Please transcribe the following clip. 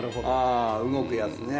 あ動くやつね。